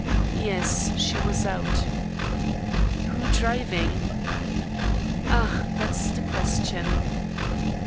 "Yes, she was out." "Who driving?" "Ah, that's the question!"